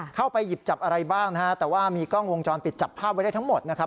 เข้าไปหยิบจับอะไรบ้างนะฮะแต่ว่ามีกล้องวงจรปิดจับภาพไว้ได้ทั้งหมดนะครับ